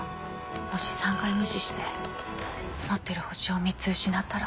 もし３回無視して持ってる星を３つ失ったら。